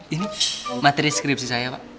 ini materi skripsi saya pak